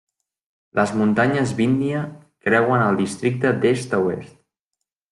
Les muntanyes Vindhya creuen el districte d'est a oest.